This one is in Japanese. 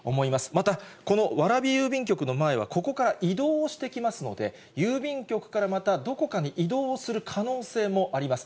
またこの蕨郵便局の前は、ここから移動をしてきますので、郵便局からまたどこかに移動をする可能性もあります。